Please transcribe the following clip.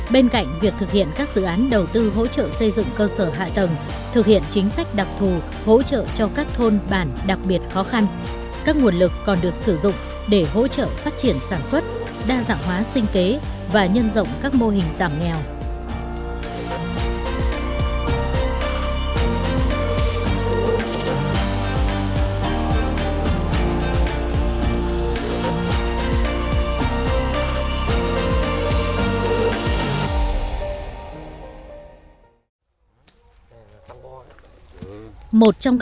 bên cạnh việc thực hiện các dự án đầu tư hỗ trợ xây dựng cơ sở hạ tầng thực hiện chính sách đặc thù hỗ trợ cho các thôn bản đặc biệt khó khăn các nguồn lực còn được sử dụng để hỗ trợ phát triển sản xuất đa dạng hóa sinh kế và nhân rộng các mô hình giảm nghèo